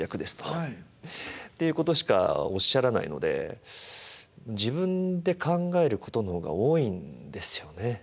っていうことしかおっしゃらないので自分で考えることの方が多いんですよね。